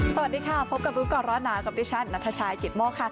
สวัสดีค่ะพบกับรู้ก่อนร้อนหนาวกับดิฉันนัทชายกิตโมกค่ะ